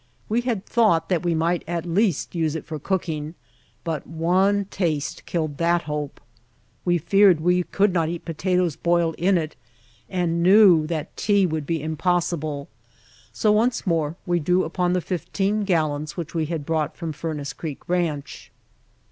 We had thought that we might at least use it for cooking, but one taste killed that hope. We feared we could not eat potatoes boiled in it, and knew that tea would be impossible, so once more we drew upon the fifteen gallons which we had brought from Furnace Creek Ranch.